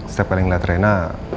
setiap kali ngeliat reina